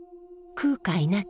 空海亡き